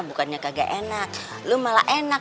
bukannya kagak enak lu malah enak